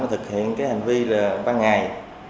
thực hiện cái hành vi là ban ngày